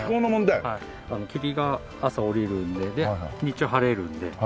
霧が朝降りるので日中晴れるのではい。